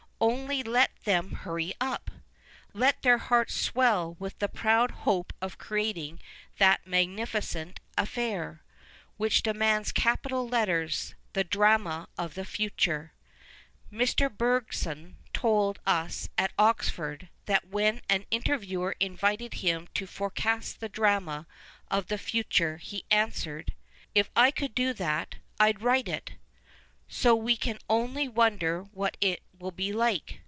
Only let them hurry up ! Let their hearts swell with the proud hope of creating that magnificent affair, which demands capital letters, the Drama of the Future. Mr. Bergson told us at Oxford that when an interviewer invited him to forecast the drama of the future he answered, " If I could do that I'd write it." So we can only wonder what it will be like.